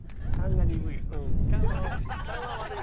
勘が悪い。